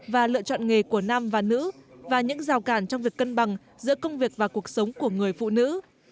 và lựa chọn nghề của nam và nữ và những rào cản trong việc cân bằng giữa công việc và cuộc sống của người phụ nữ